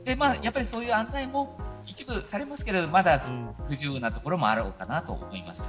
そういう案内も一部されますけどまだまだ不十分なところはあると思います。